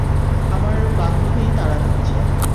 আমার বান্ধবী তাড়া দিচ্ছে।